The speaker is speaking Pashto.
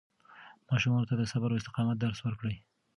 ماشومانو ته د صبر او استقامت درس ورکړئ.